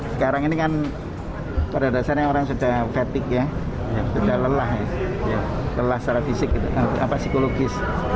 sekarang ini kan pada dasarnya orang sudah fatigue ya sudah lelah ya lelah secara fisik psikologis